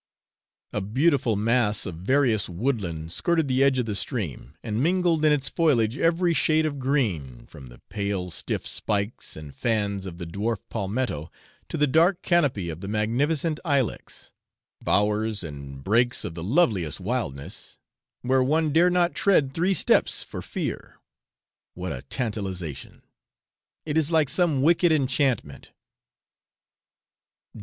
A beautiful mass of various woodland skirted the edge of the stream, and mingled in its foliage every shade of green, from the pale stiff spikes and fans of the dwarf palmetto to the dark canopy of the magnificent ilex bowers and brakes of the loveliest wildness, where one dare not tread three steps for fear what a tantalisation! it is like some wicked enchantment.